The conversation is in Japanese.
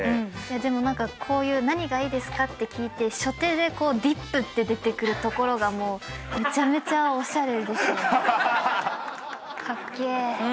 でも何かこういう何がいいですか？って聞いてディップって出てくるところがもうめちゃめちゃおしゃれです。かっけえ。